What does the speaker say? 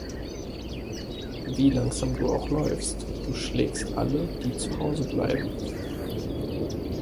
Wie langsam du auch läufst, du schlägst alle, die zu Hause bleiben!